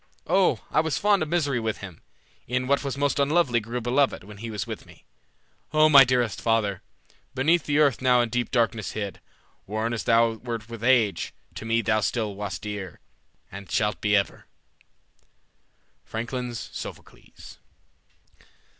O, I was fond of misery with him; E'en what was most unlovely grew beloved When he was with me. O my dearest father, Beneath the earth now in deep darkness hid, Worn as thou wert with age, to me thou still Wast dear, and shalt be ever." Francklin's Sophocles.